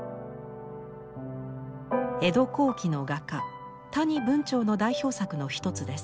江戸後期の画家谷文晁の代表作の一つです。